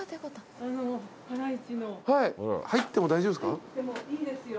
入っても大丈夫ですか？